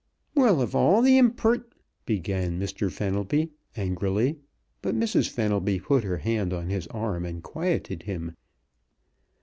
"Well, of all the impert " began Mr. Fenelby angrily, but Mrs. Fenelby put her hand on his arm and quieted him.